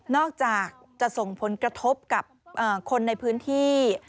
อกจากจะส่งผลกระทบกับคนในพื้นที่